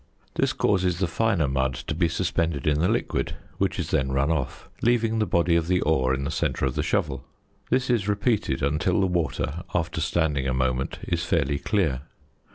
This causes the finer mud to be suspended in the liquid, which is then run off, leaving the body of the ore in the centre of the shovel. This is repeated until the water after standing a moment is fairly clear.